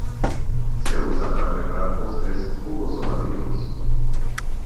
Se usa para preparar postres, jugos o batidos.